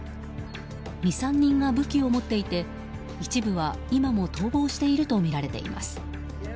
２３人が武器を持っていて一部は今も逃亡しているとみられています。